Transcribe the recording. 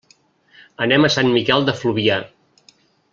Anem a Sant Miquel de Fluvià.